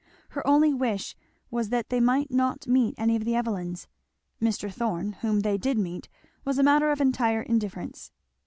Her only wish was that they might not meet any of the Evelyns; Mr. Thorn, whom they did meet, was a matter of entire indifference.